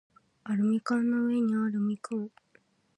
アルミ缶の上にあるみかん